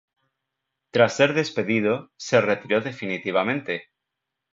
Tras ser despedido, se retiró definitivamente.